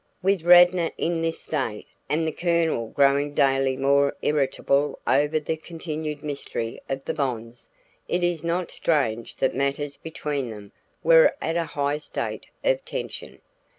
With Radnor in this state, and the Colonel growing daily more irritable over the continued mystery of the bonds, it is not strange that matters between them were at a high state of tension.